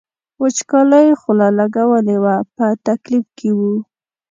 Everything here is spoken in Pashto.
وچکالۍ خوله لګولې وه په تکلیف کې و.